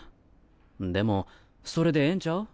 でもそれでええんちゃう？